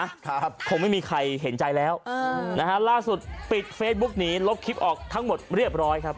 ครับคงไม่มีใครเห็นใจแล้วเออนะฮะล่าสุดปิดเฟซบุ๊กหนีลบคลิปออกทั้งหมดเรียบร้อยครับ